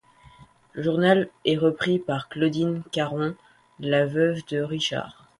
Le journal est repris par Claudine Caron, la veuve de Richard.